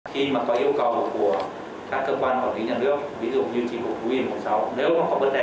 khi mà có yêu cầu của các cơ quan hoặc các nhân đức ví dụ như chính phủ quyền một mươi sáu